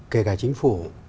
kể cả chính phủ